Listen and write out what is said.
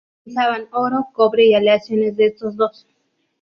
Utilizaban oro, cobre, y aleaciones de estos dos.